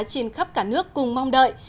trên khắp cả nước cùng mong đợi